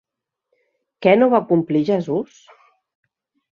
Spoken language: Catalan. Què no va complir Jesús?